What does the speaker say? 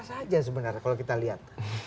saja sebenarnya kalau kita lihat